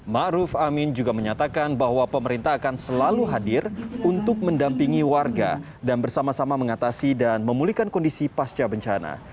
⁇ maruf ⁇ amin juga menyatakan bahwa pemerintah akan selalu hadir untuk mendampingi warga dan bersama sama mengatasi dan memulihkan kondisi pasca bencana